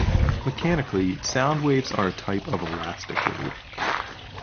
Mechanically, sound waves are a type of elastic wave.